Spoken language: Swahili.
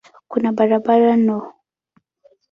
Kuna barabara no.